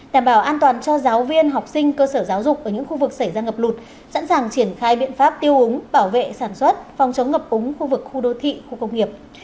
đảm bảo an toàn cho giáo viên học sinh cơ sở giáo dục ở những khu vực xảy ra ngập lụt sẵn sàng triển khai biện pháp tiêu úng bảo vệ sản xuất phòng chống ngập úng khu vực khu đô thị khu công nghiệp